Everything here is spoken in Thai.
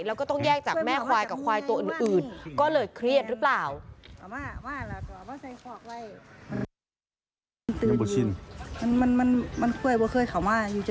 แล้วก็ต้องแยกจากแม่ควายกับควายตัวอื่นก็เลยเครียดหรือเปล่า